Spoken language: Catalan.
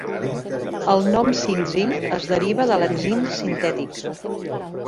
El nom "sinzim" es deriva de l'enzim sintètic.